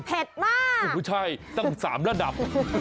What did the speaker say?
เผ็ดมากใช่ตั้ง๓ระดับ